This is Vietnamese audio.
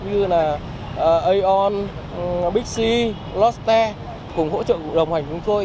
như là aon big c lost air cùng hỗ trợ đồng hành chúng tôi